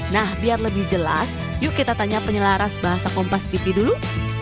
nah biar lebih jelas yuk kita tanya penyelaras bahasa kompas pipi dulu